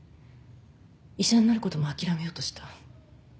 医者になることも諦めようとした。